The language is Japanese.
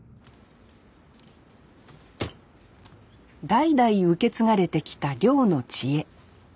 代々受け継がれてきた漁の知恵。